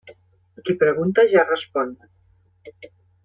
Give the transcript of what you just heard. Qui pregunta, ja respon.